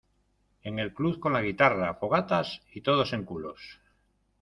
en el club con la guitarra, fogatas y todos en culos